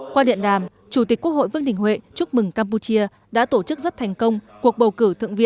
qua điện đàm chủ tịch quốc hội vương đình huệ chúc mừng campuchia đã tổ chức rất thành công cuộc